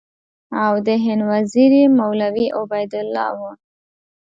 او د هند وزیر یې مولوي عبیدالله و.